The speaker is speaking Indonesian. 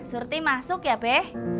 surti masuk ya be